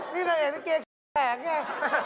นี่แหละลิเกย์แหละไง